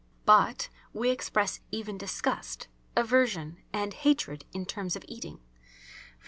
But we express even disgust, aversion and hatred in terms of eating, _e.